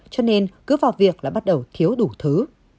cho nên cứ vào việc là bắt đầu thiếu đủ thứ